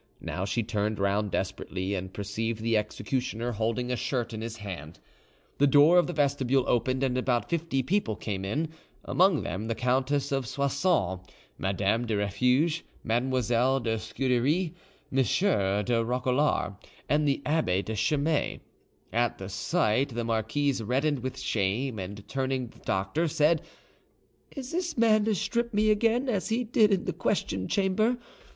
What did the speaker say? Now she turned round desperately, and perceived the executioner holding a shirt in his hand. The door of the vestibule opened, and about fifty people came in, among them the Countess of Soissons, Madame du Refuge, Mlle. de Scudery, M. de Roquelaure, and the Abbe de Chimay. At the sight the marquise reddened with shame, and turning to the doctor, said, "Is this man to strip me again, as he did in the question chamber?